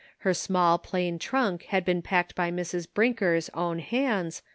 Her small plain trunk had been packed by Mrs. Brinker's own hands.